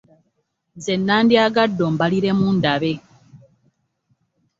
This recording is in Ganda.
Nze nandyagadde ombaliremu ndabe.